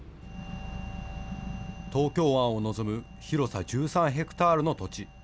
東京湾を望む広さ１３ヘクタールの土地。